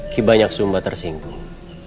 ki banyak sumba tersinggung